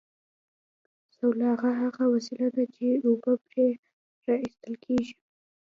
سلواغه هغه وسیله ده چې اوبه پرې را ایستل کیږي